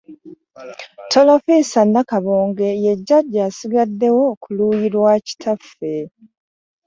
Tolofiisa Nakabonge ye jjajja asigaddewo ku luuyi lwa kitaffe.